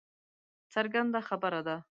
څرګنده خبره ده